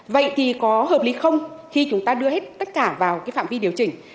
vậy thì có hợp lý không khi chúng ta đưa hết tất cả vào cái phạm vi điều chỉnh